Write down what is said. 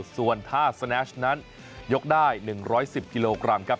ส่วนถ้าสแนชนั้นยกได้๑๑๐กิโลกรัมครับ